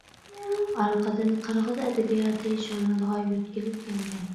ئارقىدىن «قىرغىز ئەدەبىياتى» ژۇرنىلىغا يۆتكىلىپ كەلگەن.